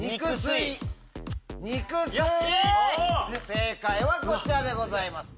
正解はこちらでございます。